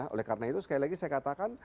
oleh karena itu sekali lagi saya katakan